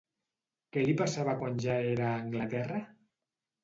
Què li passava quan ja era a Anglaterra?